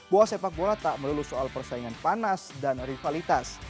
bahwa sepak bola tak melulu soal persaingan panas dan rivalitas